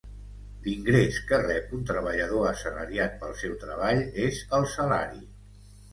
L'ingrés que rep un treballador assalariat pel seu treball és el salari.